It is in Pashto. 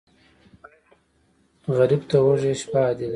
غریب ته وږې شپه عادي ده